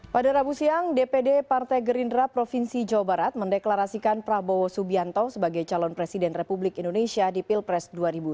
pada rabu siang dpd partai gerindra provinsi jawa barat mendeklarasikan prabowo subianto sebagai calon presiden republik indonesia di pilpres dua ribu sembilan belas